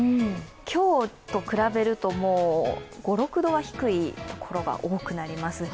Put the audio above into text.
今日と比べると、５６度は低いところが多くなります。